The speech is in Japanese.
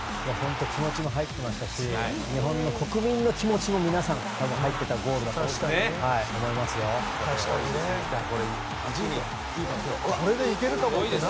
気持ちも入ってましたし日本の国民の力も入っていたゴールだと思いますよ。